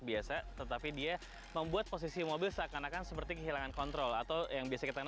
biasa tetapi dia membuat posisi mobil seakan akan seperti kehilangan kontrol atau yang biasa kita